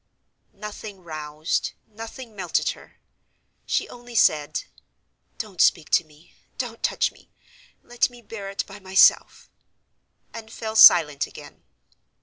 Nothing roused, nothing melted her. She only said, "Don't speak to me; don't touch me. Let me bear it by myself"—and fell silent again.